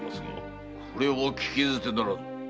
それは聞き捨てならぬ。